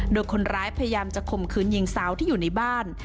โดยคนร้ายพยายามจะข่มขืนหญิงสาวที่อยู่ในบ้าน